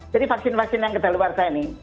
jadi vaksin vaksin yang kedaluarsa ini